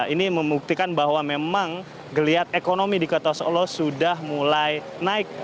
ini membuktikan bahwa memang geliat ekonomi di kota solo sudah mulai naik